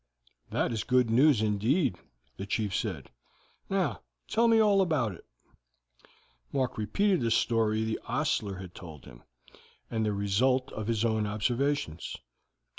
"That is good news indeed," the chief said. "Now tell me all about it." Mark repeated the story the ostler had told him, and the result of his own observations.